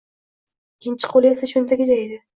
ikkinchi qo‘li esa cho‘ntagida edi…